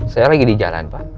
saya lagi di jalan pak